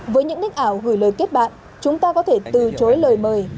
với những ních ảo gửi lời kết bạn chúng ta có thể từ chối lời mời